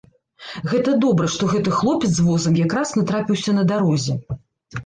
Гэта добра, што гэты хлопец з возам якраз натрапіўся на дарозе.